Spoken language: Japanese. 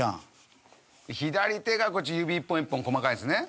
左手がこっち指一本一本細かいんですね。